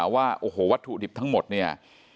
ว่าโอ้โหวัตถุดิบทั้งหมดเนี่ย